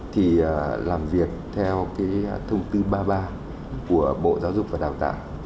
thì làm việc theo cái thông tư ba mươi ba của bộ giáo dục và đào tạo